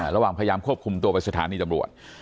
ระหว่างพยายามควบคุมตัวไปสถานีตำรวจ